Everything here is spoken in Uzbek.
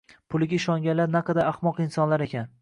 Puliga ishonganlar naqadar ahmoq insonlar ekan.